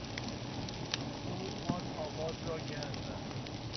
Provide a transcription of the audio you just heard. او آن آواز را گند زد.